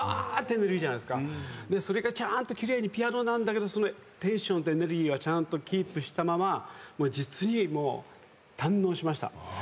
それがちゃんと奇麗にピアノなんだけどそのテンションとエネルギーはちゃんとキープしたまま実に堪能しました。